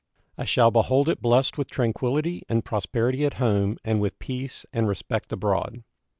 I shall behold it blessed with tranquillity and prosperity at home and with peace and respect abroad.